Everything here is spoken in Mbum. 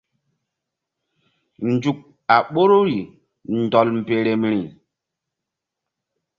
Nzuk a ɓoruri ndɔl mberemri.